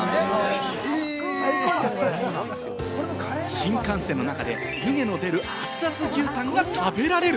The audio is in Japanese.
新幹線の中で、湯気の出る熱々牛たんが食べられる！